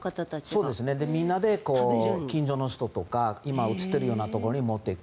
みんなで近所の人とか今、映っているようなところに持っていく。